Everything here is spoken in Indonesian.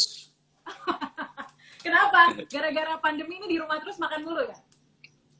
hahaha kenapa gara gara pandemi ini di rumah terus makan dulu kan